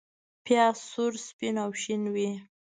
پیاز سور، سپین او شین وي